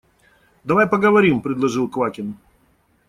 – Давай поговорим, – предложил Квакин.